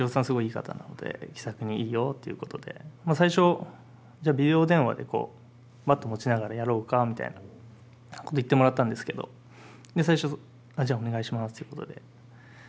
すごいいい方なので気さくに「いいよ」ということで最初じゃあビデオ電話でバット持ちながらやろうかみたいなこと言ってもらったんですけどで最初じゃあお願いしますということで。